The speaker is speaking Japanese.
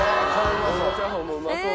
このチャーハンもうまそう！